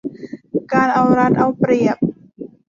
การเอารัดเอาเปรียบ